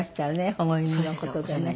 保護犬の事でね。